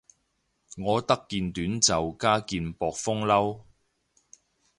我得件短袖加件薄風褸